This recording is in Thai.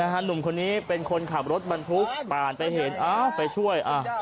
หนุ่มคนนี้เป็นคนขับรถบรรทุกผ่านไปเห็นไปช่วย